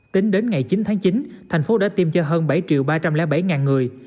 tính đến ngày chín tháng chín thành phố đã tiêm cho hơn bảy ba trăm linh bảy người